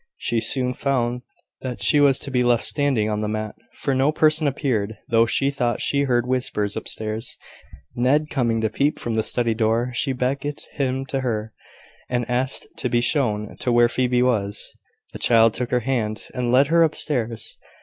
She soon found that she was to be left standing on the mat; for no person appeared, though she thought she heard whispers upstairs. Ned coming to peep from the study door, she beckoned him to her, and asked to be shown to where Phoebe was. The child took her hand, and led her upstairs.